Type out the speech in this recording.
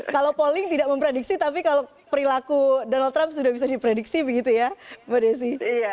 kalau polling tidak memprediksi tapi kalau perilaku donald trump sudah bisa diprediksi begitu ya mbak desi